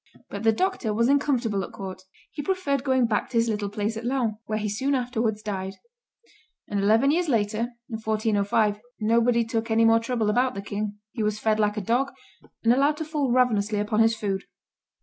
But the doctor was uncomfortable at court; he preferred going back to his little place at Laon, where he soon afterwards died; and eleven years later, in 1405, nobody took any more trouble about the king. He was fed like a dog, and allowed to fall ravenously upon his food.